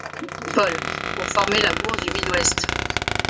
Paul, pour former la Bourse du Midwest.